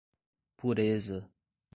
Pureza